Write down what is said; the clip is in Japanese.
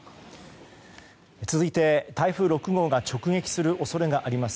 続いて、台風６号が直撃する恐れがあります